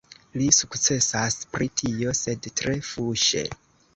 Li sukcesas pri tio, sed tre fuŝe.